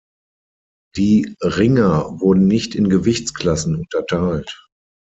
Die Ringer wurden nicht in Gewichtsklassen unterteilt.